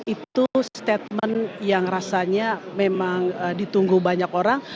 itu statement yang rasanya memang ditunggu banyak orang